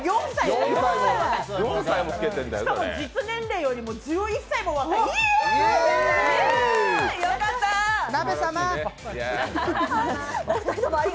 しかも実年齢よりも１１歳も若い、イエーイ！